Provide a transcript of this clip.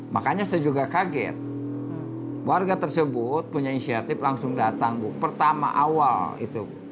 makanya saya juga kaget warga tersebut punya inisiatif langsung datang bu pertama awal itu